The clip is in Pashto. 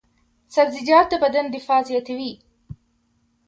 سبزیجات د بدن دفاع زیاتوي.